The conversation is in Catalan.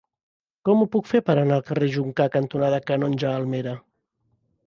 Com ho puc fer per anar al carrer Joncar cantonada Canonge Almera?